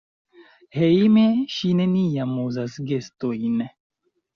Hejme ŝi neniam uzas gestojn.